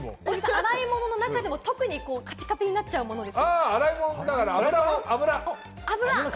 洗い物の中でも特にカピカピになっちゃうものです。